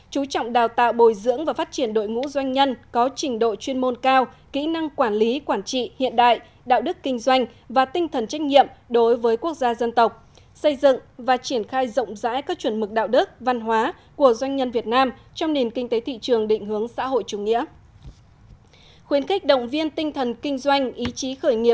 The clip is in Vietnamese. chú trọng đào tạo bồi dưỡng và phát triển đội ngũ doanh nhân có trình độ chuyên môn cao kỹ năng quản lý quản trị hiện đại đạo đức kinh doanh và tinh thần trách nhiệm đối với quốc gia dân tộc xây dựng và triển khai rộng rãi các chuẩn mực đạo đức văn hóa của doanh nhân việt nam trong nền kinh tế thị trường định hướng xã hội chủ nghĩa